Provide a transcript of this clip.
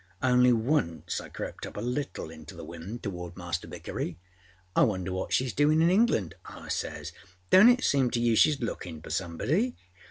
Only once I crept up a little into the wind towards Master Vickery. âI wonder what sheâs doinâ in England,â I says. âDonât it seem to you sheâs lookinâ for somebody?